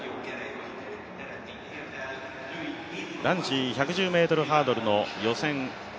男子１１０ｍハードルの予選